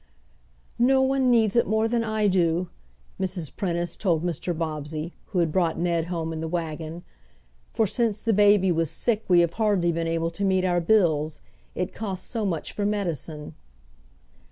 "No one needs it more than I do," Mrs. Prentice told Mr. Bobbsey, who had brought Ned home in the wagon, "for since the baby was sick we have hardly been able to meet our bills, it cost so much for medicine."